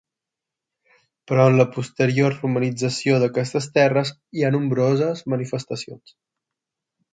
Però en la posterior romanització d'aquestes terres hi ha nombroses manifestacions.